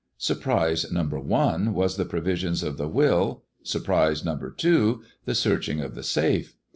Surprise number one was the provisions of the will, surprise number two, the searching of the safe.